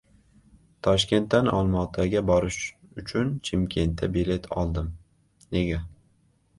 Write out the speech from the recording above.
Toshkentdan Olmaotaga borish uchun Chimkentda bilet oldim. Nega?